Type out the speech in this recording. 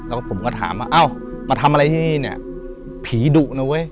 แล้วก็ผมก็ถามว่าเอ้ามาทำอะไรที่เนี่ยผีดุนะเว้ย